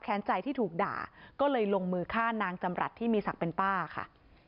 ใจที่ถูกด่าก็เลยลงมือฆ่านางจำรัฐที่มีศักดิ์เป็นป้าค่ะ